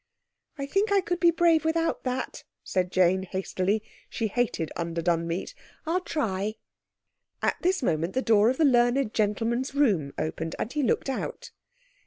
"I think I could be brave without that," said Jane hastily; she hated underdone meat. "I'll try." At this moment the door of the learned gentleman's room opened, and he looked out.